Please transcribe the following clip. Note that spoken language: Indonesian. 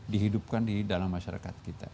dihidupkan di dalam masyarakat kita